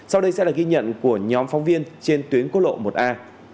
sau đây sẽ là ghi nhận của nhóm phóng viên trên tuyến quốc lộ một a